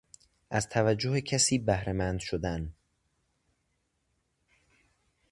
از توجه کسی بهرهمند شدن